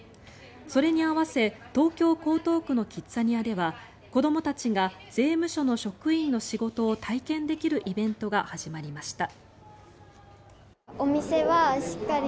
それに合わせ東京・江東区のキッザニアでは子どもたちが税務署の職員の仕事を体験できるイベントが始まりました。